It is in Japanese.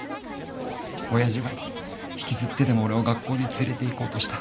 親父は引きずってでも俺を学校に連れていこうとした。